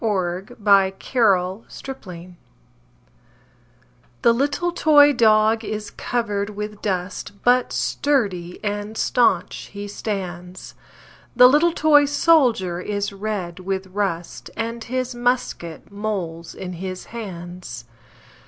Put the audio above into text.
Eugene Field Little Boy Blue THE little toy dog is covered with dust, But sturdy and stanch he stands; The little toy sholder is covered with rust, And his musket molds in the hands.